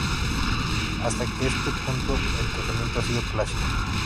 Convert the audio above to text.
Hasta este punto, el tratamiento ha sido clásico.